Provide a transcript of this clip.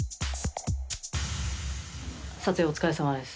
撮影お疲れさまです。